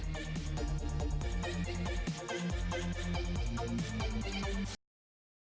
beserta dengan m brendan